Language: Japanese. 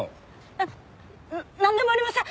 あっなんでもありません。